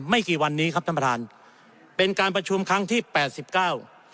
ไม่กี่วันนี้ครับท่านประธานเป็นการประชุมครั้งที่แปดสิบเก้า